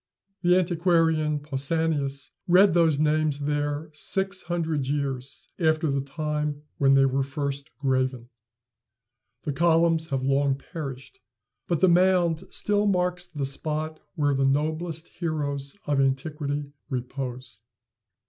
The antiquarian Pausanias read those names there six hundred years after the time when they were first graven. The columns have long perished, but the mound still marks the spot where the noblest heroes of antiquity repose.